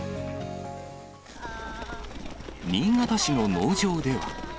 新潟市の農場では。